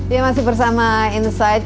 ya masih bersama insight